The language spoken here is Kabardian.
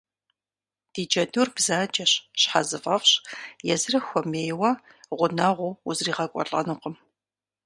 Ди джэдур бзаджэщ, щхьэзыфӏэфӏщ, езыр хуэмейуэ гъунэгъуу узригъэкӀуэлӀэнукъым.